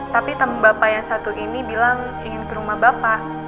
tapi bapak yang satu ini bilang ingin ke rumah bapak